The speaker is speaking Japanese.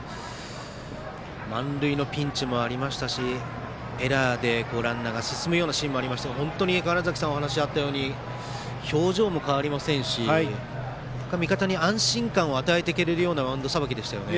満塁のピンチもありましたしエラーでランナーが進むようなシーンもありまして本当に表情も変わりませんし味方に安心感を与えていけるようなマウンドさばきでしたね。